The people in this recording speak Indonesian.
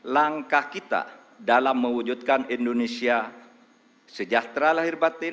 langkah kita dalam mewujudkan indonesia sejahtera lahir batin